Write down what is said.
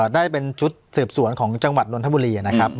ได้เป็นชุดสืบสวนของจังหวัดนทบุรีนะครับ